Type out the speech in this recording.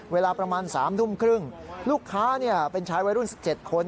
เวลาประมาณ๓ทุ่มครึ่งลูกค้าเป็นชายวัยรุ่น๑๗คน